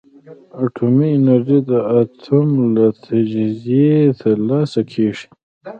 اټومي انرژي د اتوم له تجزیې ترلاسه کېږي.